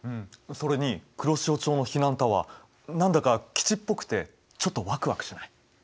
それに黒潮町の避難タワー何だか基地っぽくてちょっとワクワクしない？